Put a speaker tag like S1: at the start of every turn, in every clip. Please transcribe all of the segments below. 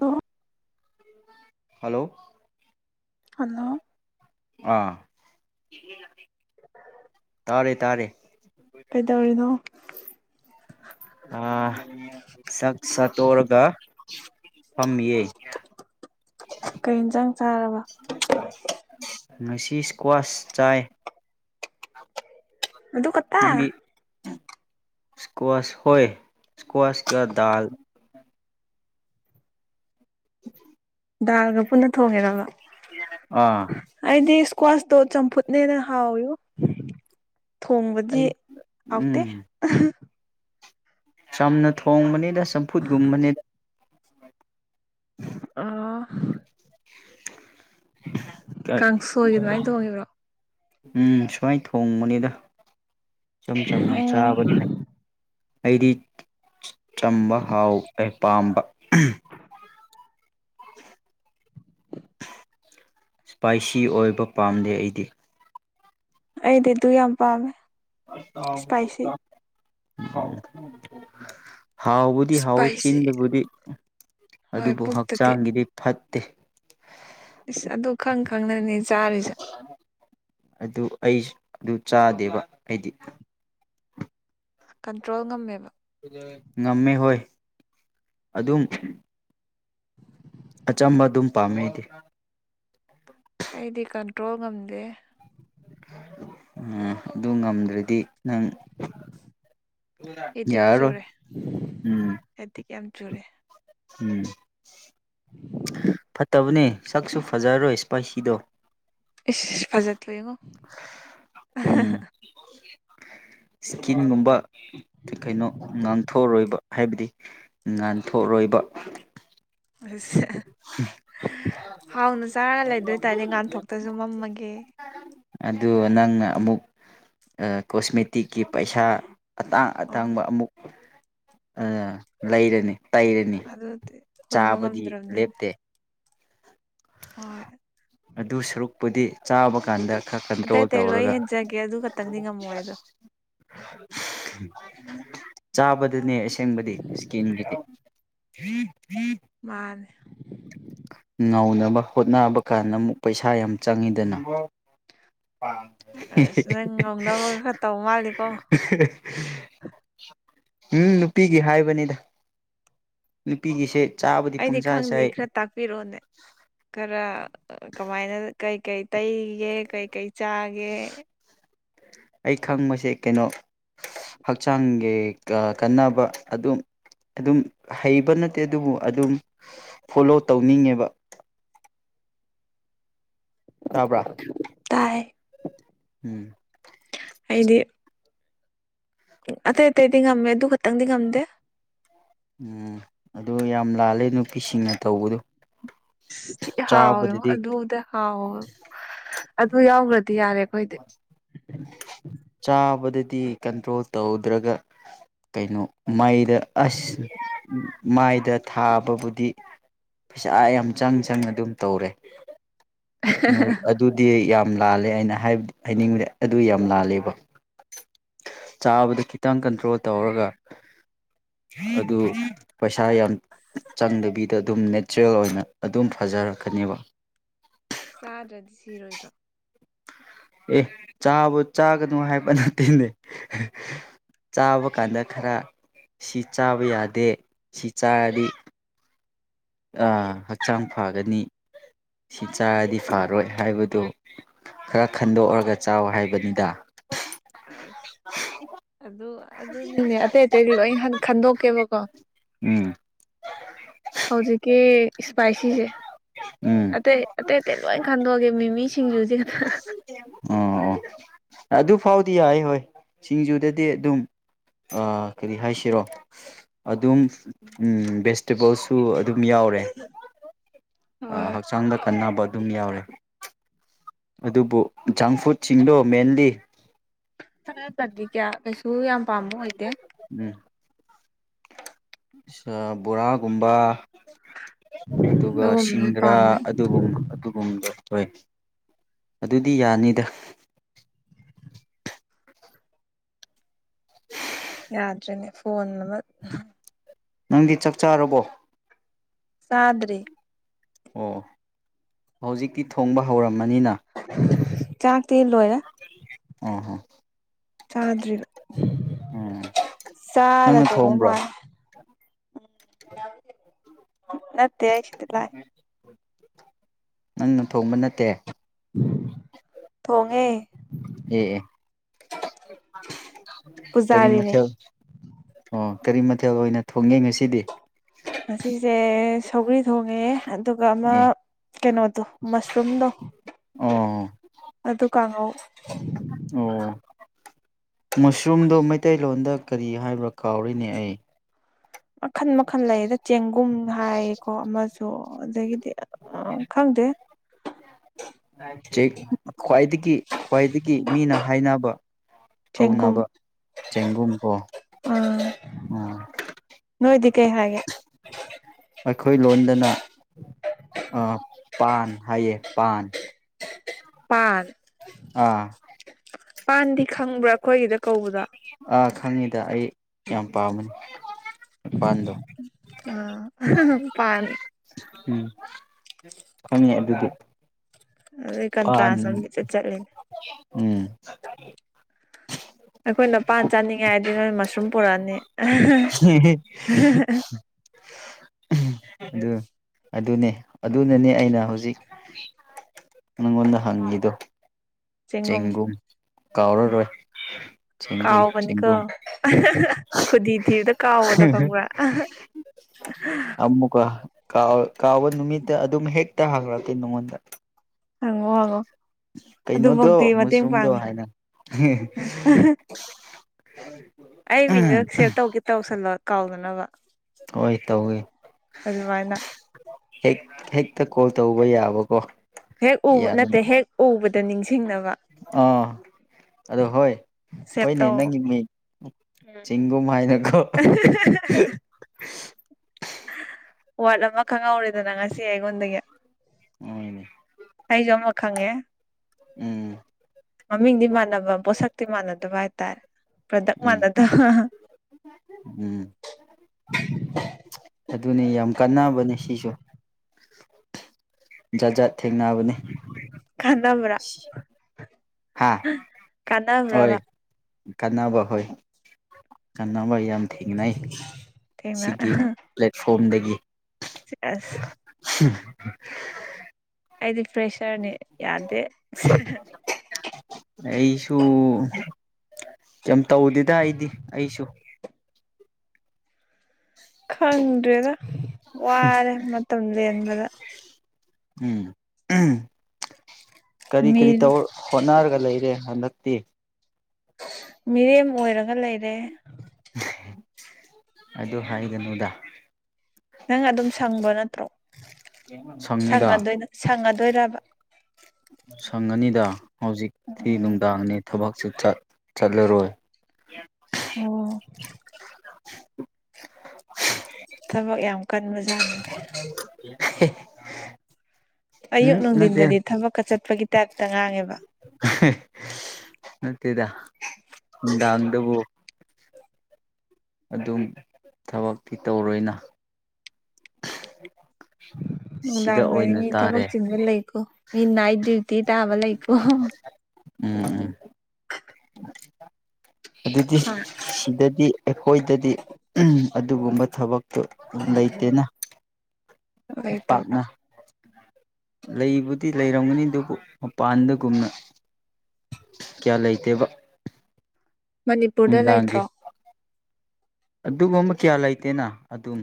S1: ꯂꯣ
S2: hello
S1: hello
S2: ꯑꯥ ꯇꯥꯔꯦ ꯇꯥꯔꯦ
S1: ꯀꯩ ꯇꯧꯔꯤꯅꯣ
S2: ꯑꯥ ꯆꯥꯛꯁ ꯇꯣꯔꯒ ꯐꯝꯃꯤꯌꯦ
S1: ꯀꯩ ꯏꯟꯖꯥꯡ ꯆꯥꯔꯕ
S2: ꯉꯁꯤ ꯏꯁꯀ꯭ꯋꯥꯁ ꯆꯥꯏ
S1: ꯑꯗꯨꯀꯠ
S2: ꯅꯪꯗꯤ ꯏꯁꯀ꯭ꯋꯥꯁ ꯍꯣꯏ ꯏꯁꯀ꯭ꯋꯥꯁꯀ ꯗꯥꯜ
S1: ꯗꯥꯜꯒ ꯄꯨꯟꯅ ꯊꯣꯡꯉꯤꯔꯕ
S2: ꯑꯥ
S1: ꯑꯩꯗꯤ ꯏꯁꯀ꯭ꯋꯥꯁꯇꯣ ꯆꯝꯐꯨꯠꯅꯦꯅ ꯍꯥꯎꯋꯤꯕꯣ ꯊꯣꯡꯕꯗꯤ
S2: ꯑꯩ
S1: ꯍꯥꯎꯇꯦ
S2: ꯎꯝ ꯆꯝꯅ ꯊꯣꯡꯕꯅꯤꯗ ꯆꯝꯐꯨꯠꯒꯨꯝꯕꯅꯤ
S1: ꯑꯥ
S2: ꯇꯛ
S1: ꯀꯥꯡꯁꯣꯏꯒꯤ ꯑꯗꯨꯃꯥꯏꯅ ꯊꯣꯡꯉꯤꯕ꯭ꯔꯣ
S2: ꯎꯝ ꯁꯨꯃꯥꯏꯟ ꯊꯣꯡꯕꯅꯤꯗ ꯏꯆꯝ ꯆꯝꯅ
S1: ꯑꯣ
S2: ꯆꯥꯕꯅꯤ ꯑꯩꯗꯤ ꯆꯝꯕ ꯍꯥꯎ ꯑꯩ ꯄꯥꯝꯕ [inaudible] ꯏꯁꯄꯥꯏꯁꯤ ꯑꯣꯏꯕ ꯄꯥꯝꯗꯦ ꯑꯩꯗꯤ
S1: ꯑꯩꯗꯤ ꯑꯗꯨ ꯌꯥꯝ ꯄꯥꯝꯃꯦ
S2: [unintelligible]
S1: ꯏꯁꯄꯥꯏꯁꯤ
S2: ꯍꯥꯎꯕꯨꯗꯤ ꯍꯥꯎꯋꯤ
S1: ꯏꯁꯄꯥꯏꯁꯤ
S2: ꯆꯤꯟꯗꯕꯨꯗꯤ
S1: ꯍꯣꯏ
S2: ꯑꯗꯨꯕꯨ
S1: ꯄꯨꯛꯇꯗꯤ
S2: ꯍꯛꯆꯥꯡꯒꯤꯗꯤ ꯐꯠꯇꯦ
S1: ꯏꯁ ꯑꯗꯨ ꯈꯪ ꯈꯪꯅꯅꯤ ꯆꯥꯔꯤꯁꯦ
S2: ꯑꯗꯨ ꯑꯩ ꯑꯗꯨ ꯆꯥꯗꯦꯕ ꯑꯩꯗꯤ
S1: ꯀꯟꯇ꯭ꯔꯣꯜ ꯉꯝꯃꯦꯕ
S2: ꯉꯝꯃꯦ ꯍꯣꯏ ꯑꯗꯨꯝ ꯑꯆꯝꯕ ꯑꯗꯨꯝ ꯄꯥꯝꯃꯦ ꯑꯩꯗꯤ
S1: ꯑꯩꯗꯤ ꯀꯟꯇ꯭ꯔꯣꯜ ꯉꯝꯗꯦ
S2: ꯎꯝ ꯑꯗꯨ ꯉꯝꯗ꯭ꯔꯗꯤ ꯅꯪ
S1: [inaudible]
S2: ꯌꯥꯔꯔꯣꯢ ꯎꯝ
S1: ꯑꯦꯏꯗꯤꯛ ꯌꯥꯝ ꯆꯨꯔꯦ
S2: ꯎꯝ
S1: [inaudible]
S2: ꯐꯠꯇꯕꯅꯦ ꯁꯛꯁꯨ ꯐꯖꯔꯔꯣꯏ ꯁ꯭ꯄꯥꯏꯁꯤꯗꯣ
S1: ꯏꯁ ꯐꯖ ꯊꯣꯛꯑꯦ ꯉꯣ ꯑꯍꯥ ꯍꯥ
S2: ꯎꯝ ꯏꯁꯀꯤꯟꯒꯨꯝꯕ ꯀꯩꯅꯣ ꯉꯥꯡꯊꯣꯛꯔꯣꯏꯕ ꯍꯥꯏꯕꯗꯤ ꯉꯥꯟꯊꯣꯛꯔꯣꯏꯕ
S1: ꯍꯥꯎꯅ ꯆꯥꯔꯒ ꯂꯩꯗꯣꯏ ꯇꯔꯗꯤ ꯉꯥꯟꯊꯣꯛꯇꯁꯨ ꯃꯝꯃꯒꯦ
S2: ꯑꯗꯨ ꯅꯪꯅ ꯑꯃꯨꯛ ꯑ ꯀꯣꯁꯃꯦꯇꯤꯛꯀꯤ ꯄꯩꯁꯥ ꯑꯇꯥꯡ
S1: ꯑꯣ
S2: ꯑꯇꯥꯡꯕ ꯑꯃꯨꯛ ꯑ ꯂꯩꯔꯅꯤ ꯇꯩꯔꯅꯤ
S1: ꯑꯗꯨꯗꯤ ꯍꯨꯟꯕ ꯉꯝꯗ꯭ꯔꯕꯅꯤꯅ
S2: ꯇꯦ
S1: ꯍꯣꯏ
S2: ꯑꯗꯨ ꯁꯔꯨꯛꯄꯨꯗꯤ ꯆꯥꯕ ꯀꯥꯟꯗ ꯈꯔ
S1: ꯑꯇꯩ
S2: ꯀꯟꯇ꯭ꯔꯣꯜ
S1: ꯑꯇꯩ ꯂꯣꯏ
S2: ꯇꯧꯔꯒ
S1: ꯍꯦꯟꯖꯒꯦ ꯑꯗꯨ ꯈꯛꯇꯪꯗꯤ ꯉꯝꯃꯣꯏ ꯑꯗꯣ
S2: ꯆꯥꯕꯗꯅꯦ ꯑꯁꯦꯡꯕꯗꯤ ꯏꯁꯀꯤꯟꯒꯤꯗꯤ ꯍ ꯍ [unintelligible]
S1: ꯃꯥꯅꯦ
S2: ꯉꯧꯅꯕ ꯍꯣꯠꯅꯕ ꯀꯥꯟꯗ ꯑꯃꯨꯛ ꯄꯩꯁꯥ ꯌꯥꯝ ꯆꯪꯉꯤꯗꯅ
S1: ꯑꯁ ꯅꯪ ꯉꯧꯅꯕ ꯈꯔ ꯇꯧ ꯃꯥꯜꯂꯤꯀꯣ
S2: ꯎꯝ ꯅꯨꯄꯤꯒꯤ ꯍꯥꯏꯕꯅꯤꯗ ꯅꯨꯄꯤꯒꯤꯁꯦ ꯆꯥꯕ
S1: ꯑꯩꯗꯤ ꯈꯪꯗꯦ ꯈꯔ ꯇꯥꯛꯄꯤꯔꯣꯅꯦ ꯈꯔ ꯀꯃꯥꯏꯅ ꯀꯩꯀꯩ ꯇꯩꯒꯦ ꯀꯩꯀꯩ ꯆꯥꯒꯦ
S2: ꯑꯩ ꯈꯪꯕꯁꯦ ꯀꯩꯅꯣ ꯍꯛꯆꯥꯡꯒꯤ ꯀꯥꯟꯅꯕ ꯑꯗꯨꯝ ꯑꯗꯨꯝ ꯍꯩꯕ ꯅꯠꯇꯦ ꯑꯗꯨꯕꯨ ꯑꯗꯨꯝ ꯐꯣꯜꯂꯣ ꯇꯧꯅꯤꯡꯉꯦꯕ ꯇꯥꯕ꯭ꯔꯥ
S1: ꯇꯥꯏ
S2: ꯎꯝ
S1: ꯑꯩꯗꯤ ꯎ ꯑꯇꯩ ꯑꯇꯩꯗꯤ ꯉꯝꯃꯦ ꯑꯗꯨ ꯈꯛꯇꯪꯗꯤ ꯉꯝꯗꯦ
S2: ꯎꯝ ꯑꯗꯨ ꯌꯥꯝ ꯂꯥꯜꯂꯦ ꯅꯨꯄꯤꯁꯤꯡꯅ ꯇꯧꯕꯗꯣ
S1: ꯏꯁ ꯊꯤ ꯍꯥꯎꯋꯦꯉꯣ ꯑꯗꯨꯗ ꯍꯥꯎꯕ ꯑꯗꯨ ꯌꯥꯎꯈꯒ꯭ꯔꯗꯤ ꯌꯥꯔꯦ ꯑꯩꯈꯣꯏꯗꯤ
S2: ꯆꯥꯕꯗꯗꯤ ꯀꯟꯇ꯭ꯔꯣꯜ ꯇꯧꯗ꯭ꯔꯒ ꯀꯩꯅꯣ ꯃꯥꯏꯗ ꯑꯁ ꯃꯥꯏꯗ ꯊꯥꯕꯕꯨꯗꯤ ꯄꯩꯁꯥ ꯌꯥꯝ ꯆꯪ ꯆꯪꯅ ꯑꯗꯨꯝ ꯇꯧꯔꯦ ꯅꯣꯏ ꯑꯗꯨꯗꯤ ꯌꯥꯝ ꯂꯥꯜꯂꯦ ꯑꯩꯅ ꯍꯥꯏꯕ ꯍꯥꯏꯅꯤꯡꯕꯗꯤ ꯑꯗꯨ ꯌꯥꯝ ꯂꯥꯜꯂꯦꯕ ꯆꯥꯕꯗ ꯈꯤꯇꯪ ꯀꯟꯇ꯭ꯔꯣꯜ ꯇꯧꯔꯒ ꯑꯗꯨ ꯄꯩꯁꯥ ꯌꯥꯝ ꯆꯪꯗꯕꯤꯗ ꯑꯗꯨꯝ ꯅꯦꯆꯔꯦꯜ ꯑꯣꯏꯅ ꯑꯗꯨꯝ ꯐꯖꯔꯛꯀꯅꯦꯕ
S1: ꯆꯥꯗ꯭ꯔꯗꯤ ꯁꯤꯔꯣꯏꯗ꯭ꯔꯣ
S2: ꯑꯦ ꯆꯥꯕ ꯆꯥꯒꯅꯨ ꯍꯥꯏꯕ ꯇꯠꯇꯦꯅꯦ ꯆꯥꯕ ꯀꯥꯟꯗ ꯈꯔ ꯁꯤ ꯆꯥꯕ ꯌꯥꯗꯦ ꯁꯤ ꯆꯥꯔꯗꯤ ꯑ ꯍꯛꯆꯥꯡ ꯐꯒꯅꯤ ꯁꯤ ꯆꯥꯔꯗꯤ ꯐꯔꯣꯏ ꯍꯥꯏꯕꯗꯨ ꯈꯔ ꯈꯟꯗꯣꯛꯑꯒ ꯆꯥꯎ ꯍꯥꯏꯕꯅꯤꯗ
S1: ꯍꯥꯏꯁ ꯑꯗꯨ ꯑꯗꯨꯅꯤꯅꯦ ꯑꯇꯩ ꯑꯇꯩꯗꯤ ꯂꯣꯏ ꯈꯟꯗꯣꯛꯀꯦꯕꯀꯣ
S2: ꯎꯝ
S1: ꯍꯧꯖꯤꯛꯀꯤ ꯏꯁꯄꯥꯏꯁꯤꯁꯦ
S2: ꯎꯝ
S1: ꯑꯇꯩ ꯑꯇꯩ ꯑꯇꯩ ꯂꯣꯏ ꯈꯟꯗꯣꯛꯑꯒꯦ ꯃꯤꯃꯤ ꯁꯤꯡꯖꯨꯁꯦ ꯈꯇꯪ
S2: ꯑꯣ ꯑꯣ ꯑꯗꯨ ꯐꯥꯎꯗꯤ ꯌꯥꯏ ꯍꯣꯏ ꯁꯤꯡꯖꯨꯗꯗꯤ ꯑꯗꯨꯝ ꯑ ꯀꯔꯤ ꯍꯥꯏꯁꯤꯔꯣ ꯑꯗꯨꯝ ꯎꯝ ꯕꯦꯁ ꯇꯦꯕꯜꯁꯨ ꯑꯗꯨꯝ ꯌꯥꯎꯔꯦ ꯑ
S1: ꯍꯣꯏ
S2: ꯍꯛꯆꯥꯡꯗ ꯀꯟꯅꯕ ꯑꯗꯨꯝ ꯌꯥꯎꯔꯦ ꯑꯗꯨꯕꯨ ꯖꯪ ꯐꯨꯗꯁꯤꯡꯗꯣ ꯃꯦꯟꯂꯤ
S1: ꯈꯔ ꯇꯗꯤ ꯀꯌꯥ ꯀꯩꯁꯨ ꯌꯥꯝ ꯄꯥꯝꯕ ꯑꯣꯏꯗꯦ
S2: ꯎꯝ ꯕꯣꯔꯥꯒꯨꯝꯕ ꯑꯗꯨꯒ
S1: ꯑꯗꯨꯒꯨꯝꯕꯗꯤ
S2: ꯁꯤꯡꯗ꯭ꯔꯥ
S1: ꯄꯥꯝꯗꯦ
S2: ꯑꯗꯨꯒꯨꯝꯕ ꯑꯗꯨꯒꯨꯝꯕ ꯍꯣꯏ ꯑꯗꯨꯗꯤ ꯌꯥꯅꯤꯗ ꯍ
S1: ꯌꯥ꯭ꯔꯦꯅꯦ ꯐꯣꯟ ꯅꯝꯕ
S2: ꯅꯪꯗꯤ ꯆꯞ ꯆꯥꯔꯕꯣ
S1: ꯁꯥꯗꯔꯤ
S2: ꯑꯣ ꯍꯧꯖꯤꯛꯇꯤ ꯊꯣꯡꯕ ꯍꯧꯔꯝꯃꯅꯤꯅ
S1: ꯆꯥꯛꯇꯤ ꯂꯣꯏꯔꯦ
S2: ꯑꯝ ꯍꯝ
S1: ꯆꯥꯗ꯭ꯔꯤꯕ
S2: ꯎꯝ ꯅꯪꯅ
S1: ꯆꯥꯔꯗꯧꯕ
S2: ꯊꯣꯡꯕ꯭ꯔꯣ
S1: ꯃꯥ ꯅ
S2: ꯅꯪꯅ ꯊꯣꯡꯕ ꯅꯠꯇꯦ
S1: ꯊꯣꯡꯉꯦ
S2: ꯑꯦ ꯑꯦ ꯀꯔꯤ
S1: ꯄꯨꯖꯥꯔꯤꯅꯦ
S2: ꯃꯊꯦꯜ ꯑꯣ ꯀꯔꯤ ꯃꯊꯦꯜ ꯑꯣꯏꯅ ꯊꯣꯡꯉꯦ ꯉꯁꯤꯗꯤ
S1: ꯉꯁꯤꯁꯦ ꯁꯧꯒ꯭ꯔꯤ ꯊꯣꯡꯉꯦ ꯑꯗꯨꯒ ꯑꯃ
S2: ꯑꯦ
S1: ꯀꯩꯅꯣꯗꯣ ꯃꯁꯔꯨꯝꯗꯣ
S2: ꯑꯣ
S1: ꯑꯗꯨ ꯀꯥꯡꯉꯧ
S2: ꯑꯣ ꯃꯨꯁꯔꯨꯝꯗꯣ ꯃꯩꯇꯩꯂꯣꯟꯗ ꯀꯔꯤ ꯍꯥꯏꯕ ꯀꯥꯎꯔꯤꯅꯦ ꯑꯩ
S1: ꯃꯈꯟ ꯃꯈꯜ ꯂꯩꯌꯦ ꯑꯗꯨ ꯆꯦꯡꯒꯨꯝ ꯍꯥꯏꯌꯦꯀꯣ ꯑꯃꯁꯨ ꯑꯗꯨꯗꯒꯤꯗꯤ ꯈꯪꯗꯦ
S2: ꯆꯦꯛ ꯈ꯭ꯋꯥꯏꯗꯒꯤ ꯈ꯭ꯋꯥꯏꯗꯒꯤ ꯃꯤꯅ ꯍꯥꯏꯅꯕ
S1: ꯆꯦꯡꯒꯨꯝ
S2: ꯀꯧꯅꯕ ꯆꯦꯡꯒꯨꯝ ꯀꯣ ꯎꯝ
S1: ꯅꯣꯏꯗ ꯀꯩ ꯍꯥꯏꯦ
S2: ꯑꯩꯈꯣꯏ ꯂꯣꯟꯗꯅ ꯄꯥꯟ ꯍꯥꯏꯌꯦ ꯄꯥꯟ
S1: ꯄꯔ
S2: ꯑꯥ
S1: ꯄꯥꯟꯗꯤ ꯈꯪꯕ꯭ꯔꯥ ꯑꯩꯈꯣꯏꯒꯤꯗ ꯀꯧꯕꯗ
S2: ꯑꯥ ꯈꯪꯉꯤꯗ ꯑꯩ ꯌꯥꯝ ꯄꯥꯝꯕꯅꯤ ꯄꯥꯟꯗꯣ
S1: ꯑ ꯄꯥꯟ
S2: ꯎꯝ ꯐꯉ ꯑꯗꯨꯗꯤ
S1: ꯑꯗꯨꯏ
S2: ꯑ
S1: ꯀꯟꯇ꯭ꯔꯥꯁ ꯑꯃꯗꯤ ꯏꯆꯠ ꯆꯠꯂꯤꯅꯦ
S2: ꯎꯝ
S1: ꯑꯩꯈꯣꯏꯅꯄꯥꯟ ꯆꯥꯅꯤꯡꯉꯥꯏꯗꯤ ꯅꯣꯏ ꯃꯁꯔꯨꯝ ꯄꯨꯔꯛꯑꯅꯤ
S2: ꯑꯗꯨ ꯑꯗꯨꯅꯦ ꯑꯗꯨꯅꯅꯦ ꯑꯩꯅ ꯍꯧꯖꯤꯛ ꯅꯪꯉꯣꯟꯗ ꯍꯪꯉꯤꯗꯣ
S1: ꯆꯒꯨꯝ
S2: ꯆꯦꯡꯒꯨꯝ ꯀꯥꯎꯔꯔꯣꯏ ꯆꯦꯡꯒꯨꯝ
S1: ꯀꯑꯣꯕꯅꯤ
S2: ꯆꯦꯡꯒꯨꯝ
S1: ꯀ ꯈꯨꯗꯤ ꯊꯔꯗ ꯀꯥꯎꯑꯣꯗꯣ ꯈꯪꯕ꯭ꯔꯥ
S2: ꯀꯥꯎ ꯀꯥꯎꯕ ꯅꯨꯃꯤꯠꯇ ꯑꯗꯨꯝ ꯍꯦꯛꯇ ꯍꯈ꯭ꯔꯛꯀꯦ ꯅꯉꯣꯟꯗ
S1: ꯍꯪꯉꯣ ꯍꯪꯉꯣ
S2: ꯀꯩꯅꯣꯗꯣ
S1: ꯑꯗꯨꯐꯧꯗꯤꯤ ꯃꯇꯦꯡ
S2: ꯃꯨꯁꯔꯨꯝꯗꯣ
S1: ꯄꯥꯡꯉꯦ
S2: ꯍꯥꯏꯅ
S1: ꯑꯩ ꯃꯤꯡꯗ ꯁꯦꯔ ꯇꯧꯒꯦ ꯇꯧꯁꯜꯂꯣ ꯀꯥꯎꯗꯅꯕ
S2: ꯍꯣꯏ ꯇꯧꯋꯦ
S1: ꯑꯗꯨꯃꯥꯏꯅ
S2: ꯍꯦꯛ ꯍꯦꯛꯇ ꯀꯣꯜ ꯇꯧꯕ ꯌꯥꯕꯀꯣ
S1: ꯍꯦꯛ ꯎꯕ
S2: ꯌꯥꯗꯅ
S1: ꯅꯠꯇꯦ ꯍꯦꯛ ꯎꯕꯗ ꯅꯤꯡꯁꯤꯡꯅꯕ
S2: ꯑꯥ ꯑꯗꯣ ꯍꯣꯏ
S1: ꯁꯦꯞ
S2: ꯍꯣꯏꯅꯦ
S1: ꯇꯧ
S2: ꯅꯪꯒꯤ ꯃꯤ
S1: ꯎꯝ
S2: ꯆꯤꯡꯒꯨꯝ ꯍꯥꯏꯅꯀꯣ ꯍ
S1: ꯋꯥꯠ ꯑꯃ ꯈꯪꯍꯧꯔꯦꯗꯅ ꯉꯁꯤ ꯑꯩꯉꯣꯟꯗꯒꯤ
S2: ꯍꯣꯏꯅꯦ
S1: ꯑꯩꯖꯨ ꯑꯃ ꯈꯪꯉꯦ
S2: ꯎꯝ
S1: ꯃꯃꯤꯡꯗꯤ ꯃꯥꯟꯅꯕ ꯄꯣꯠꯁꯛꯇꯤ ꯃꯥꯟꯅꯗꯕ ꯍꯥꯏꯇꯥꯔꯦ ꯄ꯭ꯔꯗꯛ
S2: ꯎꯝ
S1: ꯃꯥꯟꯅꯗꯕ
S2: ꯎꯝ ꯑꯗꯨꯅꯤ ꯌꯥꯝ ꯀꯥꯟꯅꯕꯅꯦ ꯁꯤꯁꯨ ꯖꯥꯠ ꯖꯥꯠ ꯊꯦꯡꯅꯕꯅꯤ
S1: ꯀꯟꯅꯥꯕ꯭ꯔꯥ
S2: ꯍꯥꯥ ꯍꯣꯏ ꯀꯥꯟꯅꯕ ꯍꯣꯏ ꯀꯥꯟꯅꯕ ꯌꯥꯝ ꯊꯦꯡꯅꯩ
S1: ꯊꯦꯡꯅ
S2: ꯁꯤꯒꯤ ꯄ꯭ꯂꯦꯠꯐꯣꯝꯗꯒꯤ
S1: ꯑꯁ
S2: ꯎ [unintelligible]
S1: ꯑꯩꯗꯤ ꯄ꯭ꯔꯦꯁꯔꯅꯤ ꯌꯥꯗꯦ
S2: ꯑꯩꯁꯨ ꯀꯩꯝ ꯇꯧꯗꯦꯗ ꯑꯩꯗꯤ ꯑꯩꯁꯨ
S1: ꯈꯪꯗ꯭ꯔꯦꯗ ꯋꯥꯔꯦ ꯃꯇꯝ ꯂꯦꯟꯕꯗ
S2: ꯎꯝ ꯀꯔꯤ ꯀꯔꯤ ꯇꯧꯔ ꯍꯣꯠꯅꯔꯒ ꯂꯩꯔꯦ ꯍꯟꯗꯛꯇꯤ
S1: ꯃꯤꯔꯦꯝ ꯑꯣꯏꯔꯒ ꯂꯩꯔꯦ
S2: ꯑꯗꯨ ꯍꯥꯏꯒꯅꯨꯗ
S1: ꯅꯪ ꯑꯗꯨꯝ ꯁꯪꯕꯣ ꯅꯠꯇ꯭ꯔꯣ
S2: ꯁꯪꯉꯤꯗ
S1: ꯁꯪꯉꯗꯣꯏ ꯁꯪꯉꯗꫭꯏꯔꯕ
S2: ꯁꯪꯉꯅꯤꯗ ꯍꯧꯖꯤꯛꯇꯤ ꯅꯨꯡꯗꯥꯡꯅꯤ ꯊꯕꯛꯁꯨ ꯆꯠ ꯆꯠꯂꯔꯣꯏ
S1: ꯎꯝ
S2: [unintelligible]
S1: ꯊꯕꯛ ꯌꯥꯝ ꯀꯟꯕꯖꯠꯅꯤꯅꯦ
S2: [unintelligible]
S1: ꯑꯌꯨꯛ
S2: ꯎꯝ ꯅꯠꯇꯦ
S1: ꯅꯨꯡꯊꯤꯟꯗꯗꯤ ꯊꯕꯛꯀ ꯆꯠꯄꯒꯤ ꯇꯥꯏꯞꯇ ꯉꯥꯡꯉꯦꯕ
S2: ꯅꯠꯇꯦꯗ ꯅꯨꯡꯗꯥꯕꯨ ꯑꯗꯨꯝ ꯊꯕꯛꯇꯤ ꯇꯧꯔꯣꯏꯅ [unintelligible] ꯁꯤꯗ
S1: ꯅꯨꯡꯗꯥꯡꯗꯗꯤ
S2: ꯑꯣꯏꯅ
S1: ꯃꯤ ꯊꯕꯛ
S2: ꯇꯥꯔꯦ
S1: ꯆꯤꯟꯕ ꯂꯩꯀꯣ ꯃꯤ ꯅꯥꯏꯠ ꯗ꯭ꯌꯨꯇꯤ ꯇꯥꯕ ꯂꯩꯀꯣ
S2: ꯎꯝ ꯑꯗꯨꯗꯤ
S1: ꯍꯥ
S2: ꯁꯤꯗꯗꯤ ꯑꯩꯈꯣꯏꯗꯗꯤ ꯑꯗꯨꯒꯨꯝꯕ ꯊꯕꯛꯇꯣ ꯂꯩꯇꯦꯅ
S1: ꯂꯩꯇꯕ꯭ꯔꯥ
S2: ꯄꯥꯛꯅ ꯂꯩꯕꯨꯗꯤ ꯂꯩꯔꯝꯒꯅꯤ ꯑꯗꯨꯕꯨ ꯃꯄꯥꯟꯗꯒꯨꯝꯅ ꯀꯌꯥ ꯂꯩꯇꯦꯕ
S1: ꯃꯅꯤꯄꯨꯔꯗ
S2: ꯅꯨꯡꯗꯥꯡꯒꯤ
S1: ꯂꯩꯇ꯭ꯔꯣ
S2: ꯑꯗꯨꯒꯨꯝꯕ ꯀꯌꯥ ꯂꯩꯇꯦꯅ ꯑꯗꯨꯝ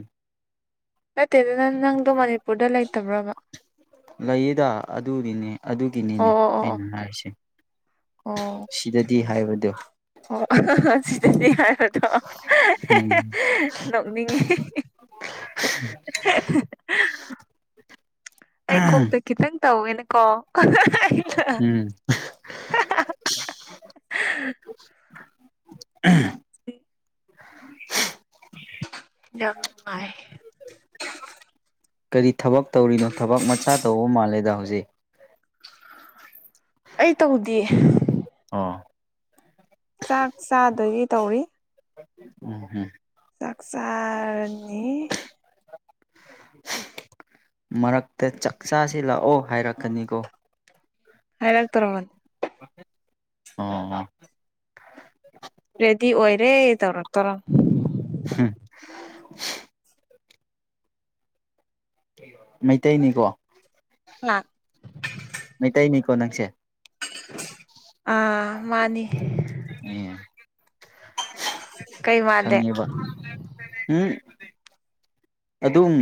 S1: ꯅꯠꯇꯦꯗ ꯅꯪ ꯅꯪꯗꯣ ꯃꯅꯤꯄꯨꯔꯗ ꯂꯩꯇꯕ꯭ꯔꯕ
S2: ꯂꯩꯌꯦꯗ ꯑꯗꯨꯒꯤꯅꯤ
S1: ꯑꯣ
S2: ꯑꯗꯨꯒꯤꯅꯤꯅꯦ
S1: ꯑꯣ ꯑꯣ
S2: ꯑꯩꯅ ꯍꯥꯏꯔꯤꯁꯦ
S1: ꯑꯣ
S2: ꯁꯤꯗꯗꯤ ꯍꯥꯏꯕꯗꯣ
S1: ꯑꯣ ꯁꯤꯗꯗꯤ ꯍꯥꯏꯕꯗꫭ
S2: ꯎꯝ
S1: ꯅꯣꯛꯅꯤꯡꯉꯤ ꯑꯩ ꯀꯣꯛꯇ ꯈꯤꯇꯪ ꯇꯧꯋꯦꯅꯀꯣ
S2: ꯎꯝ [unintelligible]
S1: ꯌꯥꯝ ꯅꯨꯡꯉꯥꯏ
S2: ꯀꯔꯤ ꯊꯕꯛ ꯇꯧꯔꯤꯅꯣ ꯊꯕꯛ ꯃꯆꯥ ꯇꯧꯕ ꯃꯥꯜꯂꯦꯗ ꯍꯧꯖꯤꯛ
S1: ꯑꯩ ꯇꯧꯗ‌ꯦ
S2: ꯑꫭ
S1: ꯆꯥꯛ ꯆꯥꯗꫭꯏꯒꯤ ꯇꯧꯔꯤ
S2: ꯑꯣ ꯍ [unintelligible]
S1: ꯆꯥꯛ ꯆꯥꯔꯅꯤ
S2: ꯃꯔꯛꯇ ꯆꯥꯛꯆꯁꯤ ꯂꯥꯛꯑꯣ ꯍꯥꯏꯔꯛꯀꯅꯤꯀꯣ
S1: ꯍꯥꯏꯛ ꯇꯔꯣꯕꯅꯤ
S2: ꯑꯣ
S1: ꯔꯦꯗꯤ ꯑꯣꯏꯔꯦ ꯇꯧꯔꯛꯇꫭꯔꯕꯅꯤ
S2: ꯍꯝ ꯃꯩꯇꯩꯅꯤꯀꯣ
S1: ꯉꯥ
S2: ꯃꯩꯇꯩꯅꯤꯀꯣ ꯅꯪꯁꯦ
S1: ꯑꯥ ꯃꯥꯅꯤ
S2: ꯎ
S1: ꯀꯩ ꯃꯥꯜꯂꯦ
S2: ꯈꯪꯉꯦꯕ ꯎꯝ ꯑꯗꯨꯝ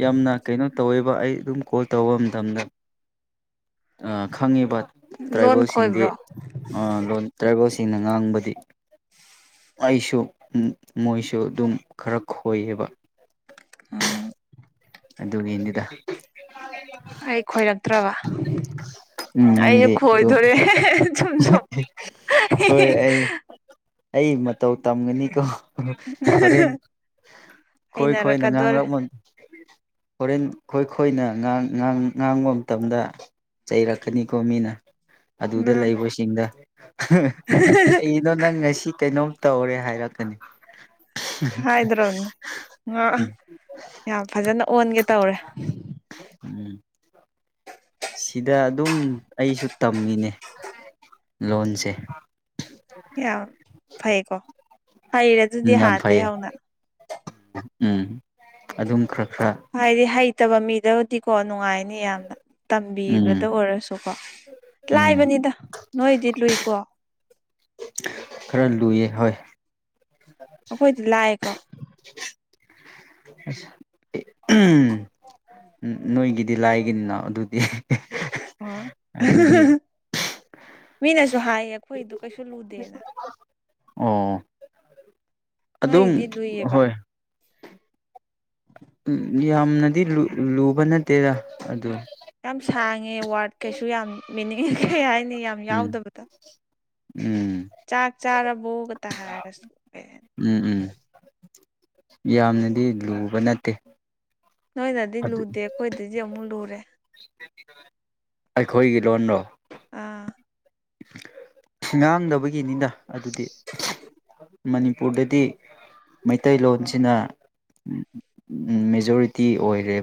S2: ꯌꯥꯝꯅ ꯀꯩꯅꯣ ꯇꯧꯋꯦꯕ ꯑꯩ ꯑꯗꯨꯝ ꯀꯣꯜ ꯇꯧꯕ ꯃꯇꯝꯗ ꯑ ꯈꯪꯉꯤꯕ
S1: ꯂꯣꯟ
S2: ꯇ꯭ꯔꯥꯏꯕꯦꯜꯁꯤꯡꯗꯤ
S1: ꯈꯣꯏꯕ꯭ꯔꯣ
S2: ꯑ ꯂꯣꯟ ꯇ꯭ꯔꯥꯏꯕꯦꯜꯁꯤꯡꯅ ꯉꯥꯡꯕꯗꯤ ꯑꯩꯁꯨ ꯃꯃꯣꯏꯁꯨ ꯑꯗꯨꯝ ꯈꯔ ꯈꯣꯏꯌꯦꯕ
S1: ꯎꯝ
S2: ꯑꯗꯨꯒꯤꯅꯦꯗ
S1: ꯑꯩ ꯈꯣꯏꯔꯛꯇ꯭ꯔꯕ
S2: ꯎꯝ
S1: ꯑꯩꯖꯨ
S2: ꯅꯪꯗꯤ ꯑꯗꯨꯝ
S1: ꯈꯣꯏꯗꯣꯔꯦ ꯆꯨꯝ ꯆꯝ
S2: ꯍꯣꯏ ꯑꯩ ꯑꯩ ꯃꯇꯧ ꯇꯝꯒꯅꯤꯀꯣ ꯍꯣꯔꯦꯟ ꯈꯣꯏ ꯈꯣꯏꯅ
S1: ꯍꯩꯅꯔꯛꯀꯗꯣꯔꯦ
S2: ꯉꯥꯡꯂꯛꯃꯟ ꯍꯣꯔꯦꯟ ꯈꯣꯏ ꯈꯣꯏꯅ ꯉꯥꯡ ꯉꯥꯡ ꯉꯥꯡꯕ ꯃꯇꯝꯗ ꯆꯩꯔꯛꯀꯅꯤꯀꯣ ꯃꯤꯅ ꯑꯗꯨꯗ
S1: ꯎꯝ
S2: ꯂꯩꯕꯁꯤꯡꯗ ꯀꯩꯅꯣ ꯅꯪ ꯉꯁꯤ ꯇꯨ ꯀꯩꯅꯣꯝ ꯇꯧꯔꯦ ꯍꯥꯏꯔꯛꯀꯅꯤ
S1: ꯍꯥꯏꯗ꯭ꯔꯣꯕꯅꯦ ꯉꯥ ꯌꯥꯝ ꯐꯖꯅ ꯑꯣꯟꯒꯦ ꯇꯧꯔꯦ
S2: ꯎꯝ ꯁꯤꯗ ꯑꯗꯨꯝ ꯑꯩꯁꯨ ꯇꯝꯃꯤꯅꯦ ꯂꯣꯟꯁꯦ
S1: ꯌꯥꯝ ꯐꯩꯀꯣ ꯍꯩꯔꯦ
S2: ꯎꯝ
S1: ꯑꯗꯨꯗꯤ
S2: ꯌꯥꯝ
S1: ꯍꯥꯟꯅꯗꯩ
S2: ꯐꯩꯌꯦ
S1: ꯍꯧꯅ
S2: ꯎꯝ ꯑꯗꯨꯝ ꯈꯔ ꯈꯔ
S1: ꯍꯥꯏꯗꯤ ꯍꯩꯇꯕ ꯃꯤꯗꯕꯨꯗꯤ ꯀꯣ ꯅꯨꯡꯉꯥꯏꯅꯤ ꯌꯥꯝꯅ
S2: ꯎꯝ
S1: ꯇꯝꯕꯤꯕꯗ ꯑꯣꯏꯔꯁꯨꯀꯣ
S2: ꯎꯝ
S1: ꯂꯥꯏꯕꯅꯤꯗ ꯅꯣꯏꯗꯤ ꯂꯨꯏꯀꯣ
S2: ꯈꯔ ꯂꯨꯏꯌꯦ ꯍꯣꯏ
S1: ꯑꯩꯈꯣꯏꯗꯤ ꯂꯥꯏꯑꯦꯀꯣ
S2: ꯑꯁ ꯎꯝ ꯅꯣꯏꯒꯤꯗꯤ ꯂꯥꯏꯒꯤꯅꯤꯅ ꯑꯗꯨꯗꯤ ꯑꯗꯨꯗꯤ
S1: ꯍꯣꯏ ꯃꯤꯅꯁꯨ ꯍꯥꯏꯌꯦ ꯑꯩꯈꯣꯏꯗꯣ ꯀꯩꯁꯨ ꯂꯨꯗꯦꯅ
S2: ꯑꯣ ꯑꯗꯨꯝ
S1: ꯅꯣꯏꯒꯤꯗꯤ ꯂꯨꯏꯌꯦꯕ
S2: ꯍꯣꯏ ꯎꯝ ꯌꯥꯝꯅꯗꯤ ꯂꯨ ꯂꯨꯕ ꯅꯠꯇꯦꯗ ꯑꯗꯣ
S1: ꯌꯥꯝ ꯁꯥꯡꯉꯦ ꯋꯥꯔꯗ ꯀꯩꯁꯨ ꯌꯥꯝ ꯃꯤꯅꯤꯡ ꯀꯩ ꯍꯥꯏꯅꯤ ꯌꯥꯝ
S2: ꯎꯝ
S1: ꯌꯥꯎꯗꯕꯗꯣ
S2: ꯎꯝ
S1: ꯆꯥꯛ ꯆꯥꯔꯕꯣꯒꯇ ꯍꯥꯏꯔꯁꯨ ꯀꯩ ꯍꯥꯏꯅꯤ
S2: ꯎꯝ ꯎꯝ ꯌꯥꯝꯅꯗꯤ ꯂꯨꯕ ꯅꯠꯇꯦ
S1: ꯅꯣꯏꯅꯗꯤ
S2: ꯑꯗꯨ
S1: ꯂꯨꯗꯦ ꯑꯩꯈꯣꯏꯗꯗꯤ ꯑꯃꯨꯛ ꯂꯨꯔꯦ
S2: ꯑꯩꯈꯣꯏꯒꯤ ꯂꯣꯟꯔꯣ
S1: ꯑꯥ
S2: ꯉꯥꯡꯗꯕꯒꯤꯅꯤꯅ ꯑꯗꯨꯗꯤ ꯃꯅꯤꯄꯨꯔꯗꯗꯤ ꯃꯩꯇꯩꯂꯣꯟꯁꯤꯅ ꯃꯦꯖꯣꯔꯤꯇꯤ ꯑꯣꯏꯔꯦꯕ